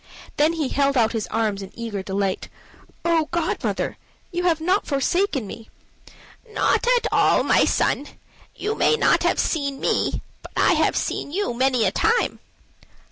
Then he held out his arms in eager delight. "Oh, godmother, you have not forsaken me!" "Not at all, my son. You may not have seen me, but I have seen you many a time."